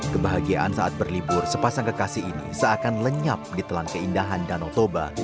kebahagiaan saat berlibur sepasang kekasih ini seakan lenyap di telan keindahan danau toba